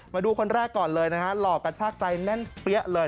มาดูคนแรกก่อนเลยนะฮะหลอกกระชากใจแน่นเปี้ยเลย